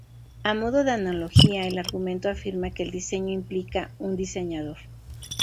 A modo de analogía, el argumento afirma que el "diseño" implica un "diseñador".